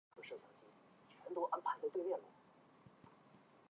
短瓣虎耳草为虎耳草科虎耳草属下的一个种。